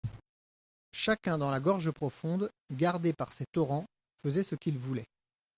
Chacun, dans la gorge profonde, gardé par ses torrents, faisait ce qu'il voulait.